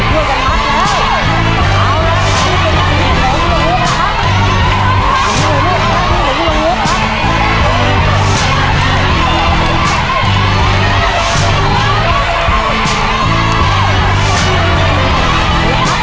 ล่างลูกได้รออยรูปหยุดหยุด